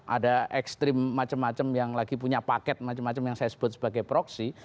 ada ekstrim macam macam yang lagi punya paket macam macam yang saya sebut sebagai proksi